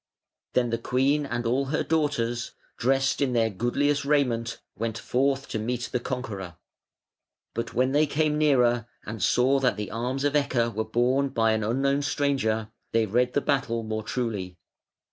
Then the queen and all her daughters, dressed in their goodliest raiment, went forth to meet the conqueror. But when they came nearer and saw that the arms of Ecke were borne by an unknown stranger, they read the battle more truly.